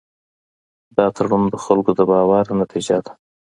دا تړون د خلکو د باور نتیجه ده.